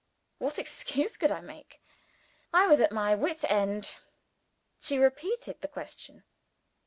What excuse could I make? I was at my wits' end. She repeated the question.